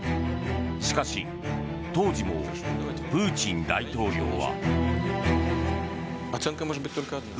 しかし当時もプーチン大統領は。